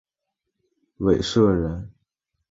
韦陟人。